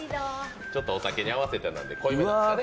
ちょっとお酒に合わせてなんで、濃いめですかね。